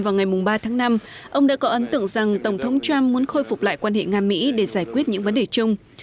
vào ngày ba tháng năm ông đã có ấn tượng rằng tổng thống trump muốn khôi phục lại quan hệ nga mỹ để giải quyết những vấn đề chung